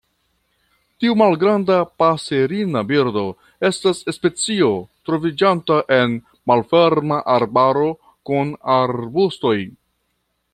Tiu malgranda paserina birdo estas specio troviĝanta en malferma arbaro kun arbustoj.